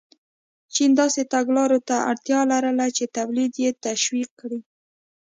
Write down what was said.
چین داسې تګلارو ته اړتیا لرله چې تولید یې تشویق کړي.